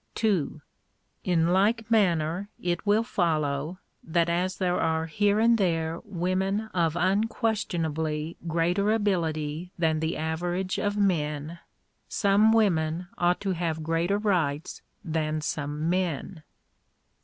(See pp. 107 and 108.) 2. In like manner, it will follow, that as there are here and there women of unquestionably greater ability than the average of men, some women ought to have greater rights than some men.